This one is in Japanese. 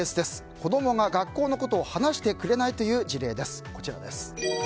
子供が学校のことを話してくれないという事例です。